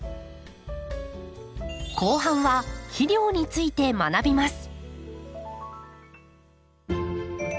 後半は肥料について学びます。